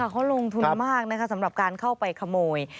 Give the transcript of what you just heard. เขาลงทุนมากนะคะสำหรับการเข้าไปขโมย